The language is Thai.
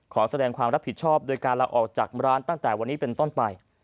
ขอแสดงความรับผิดชอบโดยการลาออกจากร้านตั้งแต่วันนี้เป็นต้นไป